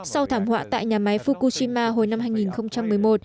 sau thảm họa tại nhà máy fukushima hồi năm hai nghìn một mươi một